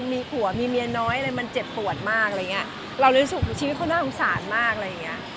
มีผัวมีเมียน้อยอะไรมันเจ็บปวดมากอะไรอย่างเงี้ยเรารู้สึกชีวิตเขาน่าสงสารมากอะไรอย่างเงี้ย